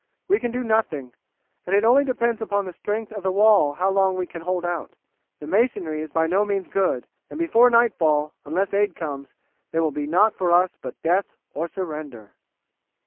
We can do nothing, and it only depends upon the strength of the wall how long we can hold out. The masonry is by no means good, and before nightfall, unless aid comes, there will be nought for us but death or surrender."